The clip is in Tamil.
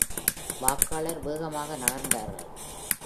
வாக்காளர் வேகமாக நகர்ந்தார்கள்.